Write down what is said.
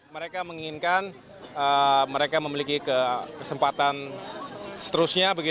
mereka menginginkan mereka memiliki kesempatan seterusnya